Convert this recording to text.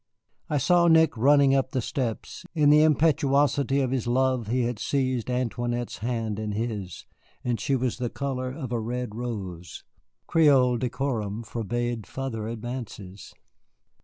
I saw Nick running up the steps; in the impetuosity of his love he had seized Antoinette's hand in his, and she was the color of a red rose. Creole decorum forbade further advances.